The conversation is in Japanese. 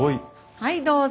はいどうぞ。